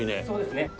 そうですね。